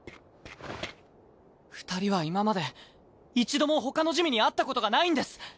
二人は今まで一度もほかの珠魅に会ったことがないんです。